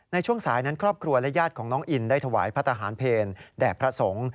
ในช่วงสายนั้นครอบครัวและญาติของน้องอินได้ถวายพระทหารเพลแด่พระสงฆ์